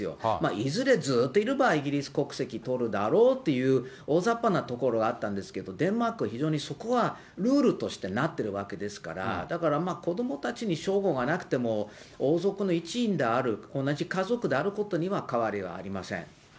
いずれずっといればイギリス国籍取るだろうっていう大ざっぱなところあったんですけど、デンマーク、非常にそこはルールとしてなってるわけですから、だから子どもたちに称号がなくても、王族の一員である、同じ家族であることには変わりはありません。